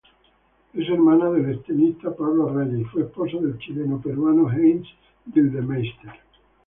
Es hermana del extenista Pablo Arraya y fue esposa del chileno-peruano Heinz Gildemeister.